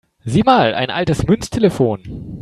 Sieh mal, ein altes Münztelefon!